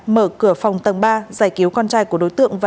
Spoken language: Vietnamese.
mở cửa phòng tầng ba giải cứu con trai của đối tượng và